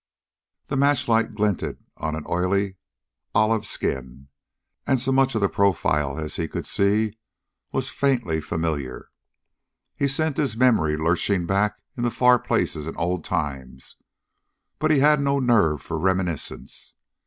The match light glinted on an oily, olive skin, and so much of the profile as he could see was faintly familiar. He sent his memory lurching back into far places and old times, but he had no nerve for reminiscence.